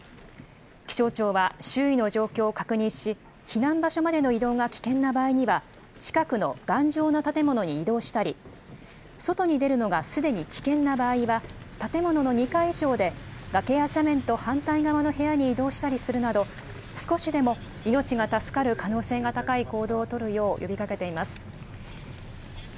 気象庁は周囲の状況を確認し、避難場所までの移動が危険な場合には、近くの頑丈な建物に移動したり、外に出るのがすでに危険な場合は、建物の２階以上で、崖や斜面と反対側の部屋に移動したりするなど、少しでも命が助かる可能性が高い行動を取るよう呼びかけています。